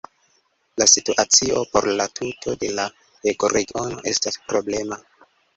La situacio por la tuto de la ekoregiono estas problema.